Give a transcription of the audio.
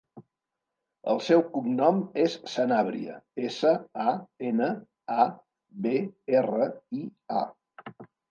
El seu cognom és Sanabria: essa, a, ena, a, be, erra, i, a.